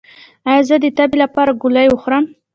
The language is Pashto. ایا زه د تبې لپاره ګولۍ وخورم؟